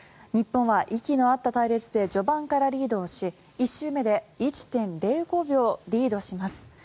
日本は息の合った隊列で序盤からリードし１周目で１．０５秒リードします。